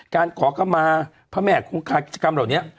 ขอเข้ามาพระแม่คงคากิจกรรมเหล่านี้